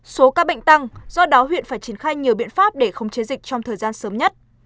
số ca bệnh tăng do đó huyện phải triển khai nhiều biện pháp để khống chế dịch trong thời gian sớm nhất